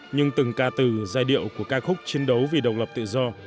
nhưng từng ca từ giai điệu của ca khúc chiến đấu vì độc lập tự do